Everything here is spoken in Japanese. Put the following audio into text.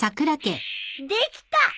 できた！